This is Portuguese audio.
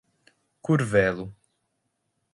Curvelo